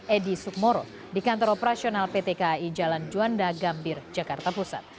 edi sukmoro di kantor operasional pt kai jalan juanda gambir jakarta pusat